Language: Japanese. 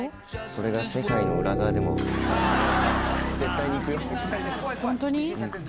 それが世界の裏側でも、本当に？